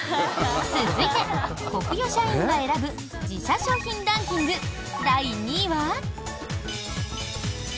続いて、コクヨ社員が選ぶ自社商品ランキング第２位は。